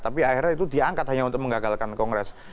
tapi akhirnya itu diangkat hanya untuk mengagalkan kongres